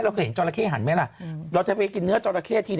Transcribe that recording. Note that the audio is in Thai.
เคยเห็นจอราเข้หันไหมล่ะเราจะไปกินเนื้อจอราเข้ที